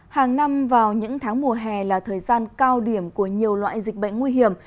hàng năm vào những tháng mùa hè là thời gian cao điểm của nhiều loại dịch bệnh nguy hiểm